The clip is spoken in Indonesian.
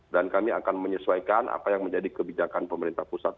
dan kami akan menyesuaikan apa yang menjadi kebijakan pemerintah pusat